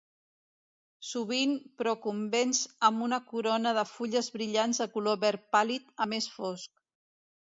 Sovint procumbents amb una corona de fulles brillants de color verd pàl·lid a més fosc.